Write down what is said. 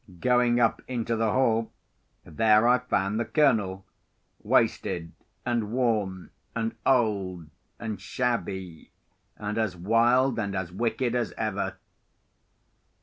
Going up into the hall, there I found the Colonel, wasted, and worn, and old, and shabby, and as wild and as wicked as ever.